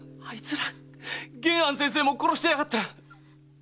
あいつら玄庵先生も殺してやがった！